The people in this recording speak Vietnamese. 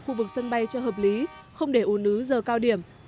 khu vực sân bay cho hợp lý không để ủn ứ giờ cao điểm